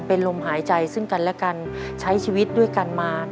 เป็นลมหายใจซึ่งกันและกันใช้ชีวิตด้วยกันมา